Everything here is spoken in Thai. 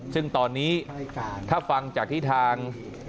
ซึ่งตอนนี้ถ้าฟังจากที่ทาง